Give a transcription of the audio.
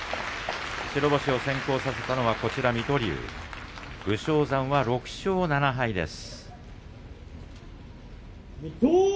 白星を先行させたのは水戸龍武将山は６勝７敗です。